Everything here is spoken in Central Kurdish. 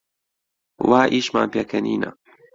وا ئیشمان پێکەنینە